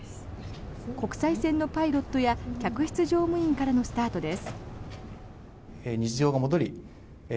国際線のパイロットや客室乗務員からのスタートです。